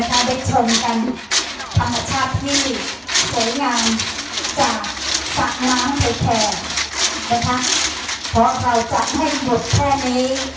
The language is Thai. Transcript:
ผู้ชมกันธรรมชาติที่เก๋งงามจากสักน้ำในแขนนะคะเพราะเราจะให้หยุดแค่นี้